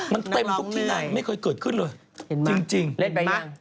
มันเต็มทุกที่ไหนไม่เคยเกิดขึ้นเลยจริงเล่นไปหรือยัง